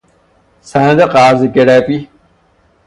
سند قرضه گروی